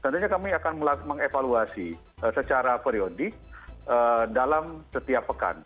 tentunya kami akan mengevaluasi secara periodik dalam setiap pekan